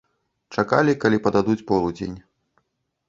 Чакалі, калі пададуць полудзень.